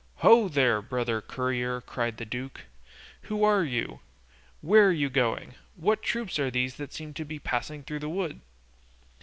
"Ho there! brother courier," cried the duke, "who are you? Where are you going? What troops are these that seem to be passing through the wood?"